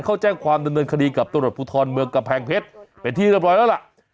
เขาแจ้งความดำเนินคดีกับตรวจภูทรเมืองกำแพงเพชรเป็นที่เรียบร้อยแล้วล่ะ